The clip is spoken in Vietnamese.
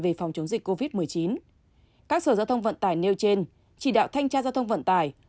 về phòng chống dịch covid một mươi chín các sở giao thông vận tải nêu trên chỉ đạo thanh tra giao thông vận tải